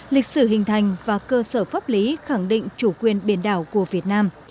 lịch sử hình thành và cơ sở pháp lý khẳng định chủ quyền biển đảo của việt nam